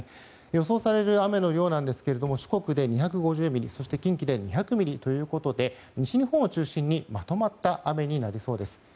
予想される雨の量なんですが四国で２５０ミリそして、近畿で２００ミリということで西日本を中心にまとまった雨となりそうです。